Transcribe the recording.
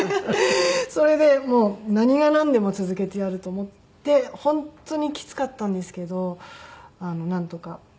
それでもう何がなんでも続けてやると思って本当にきつかったんですけどなんとかやり通しまして。